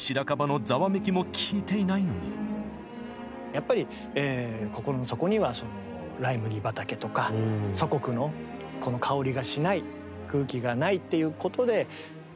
やっぱり心の底にはライ麦畑とか祖国のこのかおりがしない空気がないっていうことでかなり。